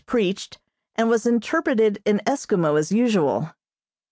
preached, and was interpreted in Eskimo as usual.